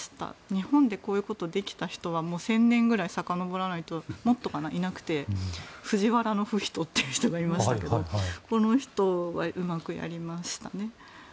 日本でこういうことをできた人は１０００年ぐらいさかのぼらないともっとかないなくて藤原不比等といういましたけどこの人がうまくやりましたね。